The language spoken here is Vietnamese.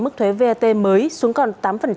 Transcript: mức thuế vat mới xuống còn tám